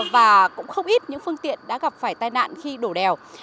và cũng không ít những phương tiện đã gặp phải tai nạn khi đổ đèo